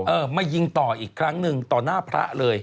มายิงต่ออีกครั้งหนึ่งต่อหน้าพระเลย